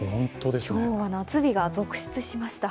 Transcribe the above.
今日は夏日が続出しました。